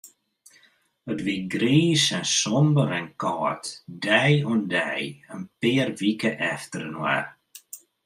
It wie griis en somber en kâld, dei oan dei, in pear wike efterinoar.